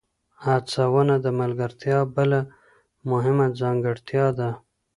هڅونه د ملګرتیا بله مهمه ځانګړتیا ده.